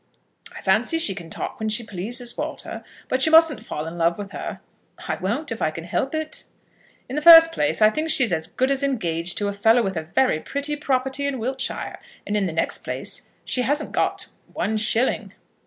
"I fancy she can talk when she pleases, Walter. But you mustn't fall in love with her." "I won't, if I can help it." "In the first place I think she is as good as engaged to a fellow with a very pretty property in Wiltshire, and in the next place she hasn't got one shilling."